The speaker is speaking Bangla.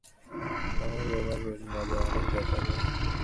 আমার বাবার পিঠ, মাজা অনেক ব্যথা করে।